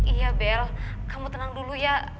iya bel kamu tenang dulu ya